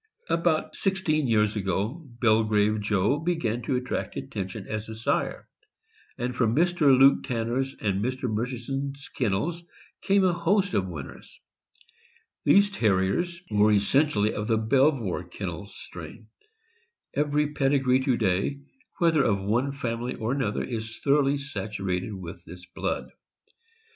About sixteen years ago, Belgrave Joe began to attract attention as a sire, and from Mr. Luke Tanner' s and Mr. Murchison's kennels came a host of winners. These Terriers were essentially of the Belvoir Kennels strain. Every pedigree to day, whether of one family or another, is thoroughly saturated with this blood.